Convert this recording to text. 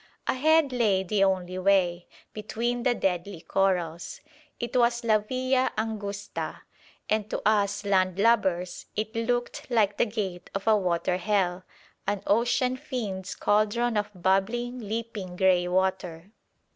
Ahead lay the only way between the deadly corals. It was la via angusta, and to us landlubbers it looked like the gate of a water hell; an ocean fiend's cauldron of bubbling, leaping grey water.